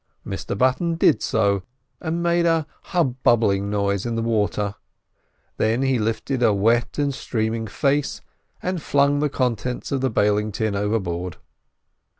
Mr Button did so, and made a hub bubbling noise in the water; then he lifted a wet and streaming face, and flung the contents of the bailing tin overboard.